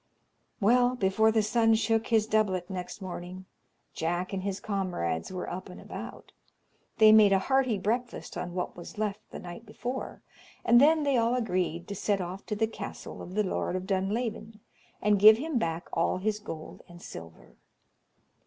Well, before the sun shook his doublet next morning, Jack and his comrades were up and about. They made a hearty breakfast on what was left the night before, and then they all agreed to set off to the castle of the Lord of Dunlavin, and give him back all his gold and silver.